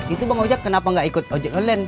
itu bang ojek kenapa gak ikut ojek ngelen